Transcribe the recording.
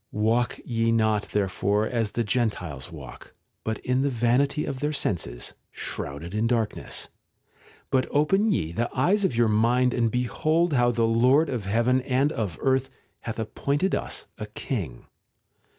■ Walk ye not therefore as the Gentiles walk, in the vanity of their senses, shrouded in darkness '; but open ye the eyes of your mind and behold how the Lord of heaven and of earth hath appointed us a king.